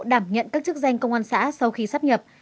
đảm nhận các chức danh công an xã sau khi sắp nhập